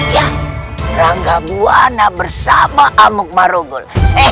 ya rangga buwana bersama amuk marugul